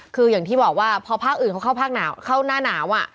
คืออย่างที่บอกว่าพอภาคอื่นเขาเข้าภาคหนาวเข้าหน้าหนาว